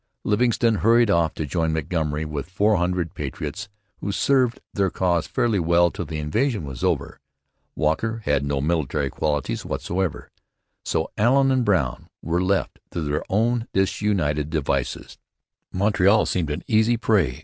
Livingston hurried off to join Montgomery with four hundred 'patriots' who served their cause fairly well till the invasion was over. Walker had no military qualities whatever. So Allen and Brown were left to their own disunited devices. Montreal seemed an easy prey.